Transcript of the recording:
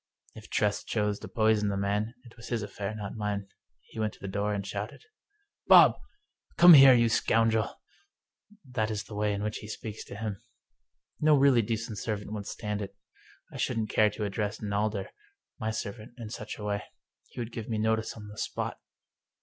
If Tress chose to poison the man, it was his affair, not mine. He went to the door and shouted :" Bob ! Come here, you scoundrel !" That is the way in which he speaks to him. No really decent servant would stand it. I shouldn't care to address Nalder, my servant, in such a way. He would give me notice on the spot.